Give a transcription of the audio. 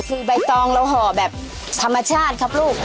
คือใบตองเราห่อแบบธรรมชาติครับลูก